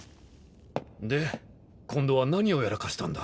で今度は何をやらかしたんだ？